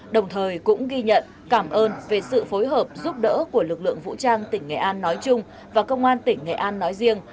đồng thời cũng ghi nhận cảm ơn về sự phối hợp giúp đỡ của lực lượng vũ trang tỉnh nghệ an nói chung và công an tỉnh nghệ an nói riêng